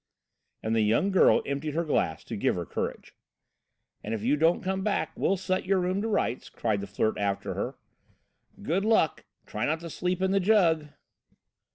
And the young girl emptied her glass to give her courage. "And if you don't come back, we'll set your room to rights," cried the Flirt after her. "Good luck, try and not sleep in the jug."